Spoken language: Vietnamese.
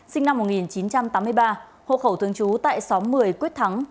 sinh năm một nghìn chín trăm tám mươi ba hộ khẩu thương chú tại xóm một mươi quyết thắng